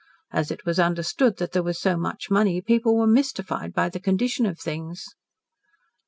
As it was understood that there was so much money people were mystified by the condition of things."